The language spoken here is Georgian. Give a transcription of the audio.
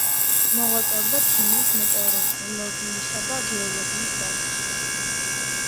მოღვაწეობდა ქიმიის, მეტეოროლოგიისა და გეოლოგიის დარგში.